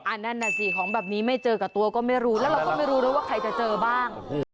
นั่นน่ะสิของแบบนี้ไม่เจอกับตัวก็ไม่รู้แล้วเราก็ไม่รู้ด้วยว่าใครจะเจอบ้าง